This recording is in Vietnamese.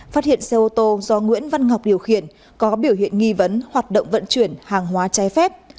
phát hiện xe ô tô do nguyễn văn ngọc điều khiển có biểu hiện nghi vấn hoạt động vận chuyển hàng hóa trái phép